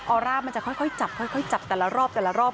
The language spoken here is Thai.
ออร่ามันจะค่อยจับจับแต่ละรอบ